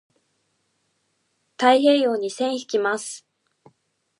太平洋に線引きます。